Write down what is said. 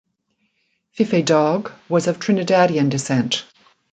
Phife Dawg was of Trinidadian descent.